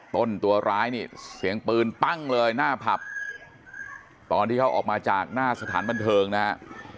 ตัวร้ายนี่เสียงปืนปั้งเลยหน้าผับตอนที่เขาออกมาจากหน้าสถานบันเทิงนะฮะ